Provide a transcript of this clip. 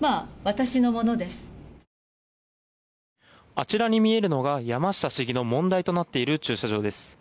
あちらに見えるのが山下市議の問題となっている駐車場です。